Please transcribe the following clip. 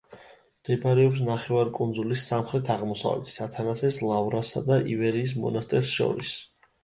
მდებარეობს ნახევარკუნძულის სამხრეთ-აღმოსავლეთით, ათანასეს ლავრასა და ივერიის მონასტერს შორის.